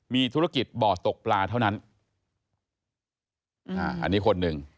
มีธุรกิจบ่อตกปลาเท่านั้นอ่าอันนี้คนหนึ่ง